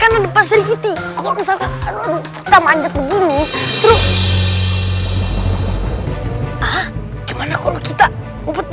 karena depan serikiti kalau misalnya kita manjat begini tuh gimana kalau kita obat